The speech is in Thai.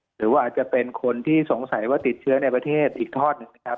หรือว่าอาจจะเป็นคนที่สงสัยว่าติดเชื้อในประเทศอีกทอดหนึ่งนะครับ